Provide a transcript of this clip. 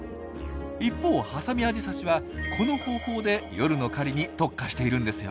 一方ハサミアジサシはこの方法で夜の狩りに特化しているんですよ。